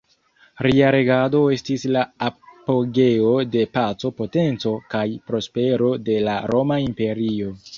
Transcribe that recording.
Lia regado estis la apogeo de paco potenco kaj prospero de la Roma imperio.